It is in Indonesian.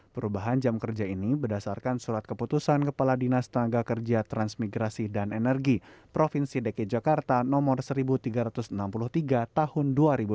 perubahan jam kerja ini berdasarkan surat keputusan kepala dinas tenaga kerja transmigrasi dan energi provinsi dki jakarta nomor seribu tiga ratus enam puluh tiga tahun dua ribu dua puluh